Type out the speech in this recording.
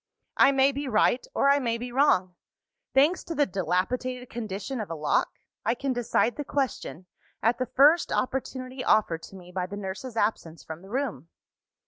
"I may be right or I may be wrong. Thanks to the dilapidated condition of a lock, I can decide the question, at the first opportunity offered to me by the nurse's absence from the room.